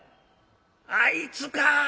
「あいつか。